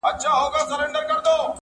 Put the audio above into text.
زه مي ژاړمه د تېر ژوندون کلونه-